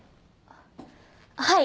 はい。